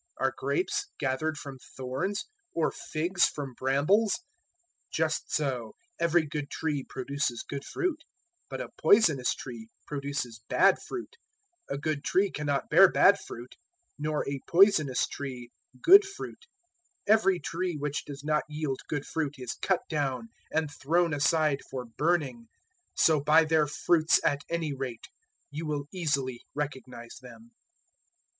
Are grapes gathered from thorns or figs from brambles? 007:017 Just so every good tree produces good fruit, but a poisonous tree produces bad fruit. 007:018 A good tree cannot bear bad fruit, nor a poisonous tree good fruit. 007:019 Every tree which does not yield good fruit is cut down and thrown aside for burning. 007:020 So by their fruits at any rate, you will easily recognize them.